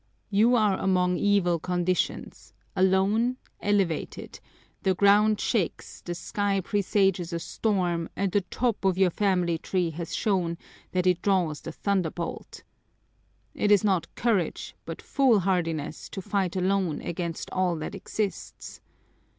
You are among evil conditions, alone, elevated, the ground shakes, the sky presages a storm, and the top of your family tree has shown that it draws the thunderbolt. It is not courage, but foolhardiness, to fight alone against all that exists.